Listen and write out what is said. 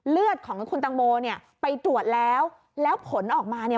เลือดของคุณตังโมเนี่ยไปตรวจแล้วแล้วผลออกมาเนี่ย